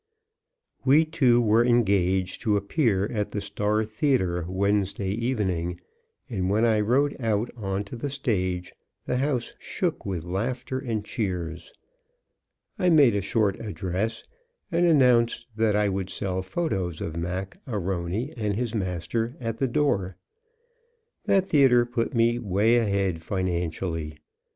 We two were engaged to appear at the Star Theatre Wednesday evening, and when I rode out on to the stage the house shook with laughter and cheers. I made a short address and announced that I would sell photos of Mac A'Rony and his master at the door. That theatre put me way ahead financially.